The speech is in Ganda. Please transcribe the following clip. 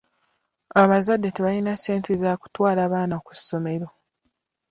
Abazadde tebalina ssente za kutwala baana ku ssomero.